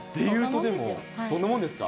そんなもんですか？